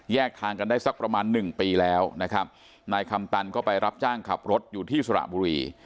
ทางกันได้สักประมาณหนึ่งปีแล้วนะครับนายคำตันก็ไปรับจ้างขับรถอยู่ที่สระบุรี